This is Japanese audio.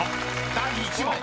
第１問］